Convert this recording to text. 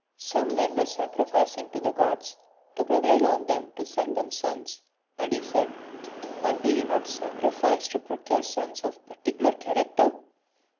Some men were sacrificing to the Gods to prevail on them to send them sons, and he said, " And do you not sacri fice to procure sons of a particular character